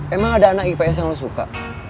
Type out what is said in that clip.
emang ada anak ips yang lo suka